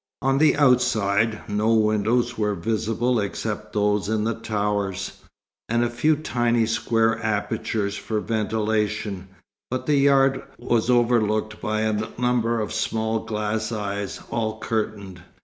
On the outside, no windows were visible except those in the towers, and a few tiny square apertures for ventilation, but the yard was overlooked by a number of small glass eyes, all curtained.